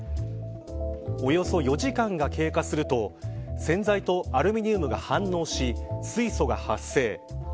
およそ４時間が経過すると洗剤とアルミニウムが反応し水素が発生。